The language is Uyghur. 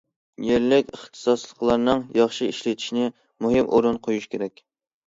يەرلىك ئىختىساسلىقلارنى ياخشى ئىشلىتىشنى مۇھىم ئورۇنغا قويۇش كېرەك.